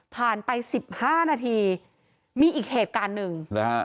ผ่านไป๑๕นาทีมีอีกเหตุการณ์หนึ่ง